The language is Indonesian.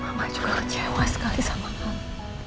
mama juga kecewa sekali sama kamu